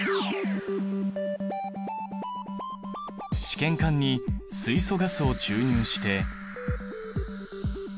試験管に水素ガスを注入して。